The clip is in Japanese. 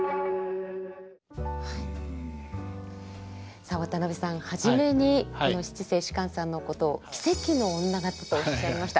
さあ渡辺さん初めにこの七世芝さんのことを奇蹟の女方とおっしゃいました。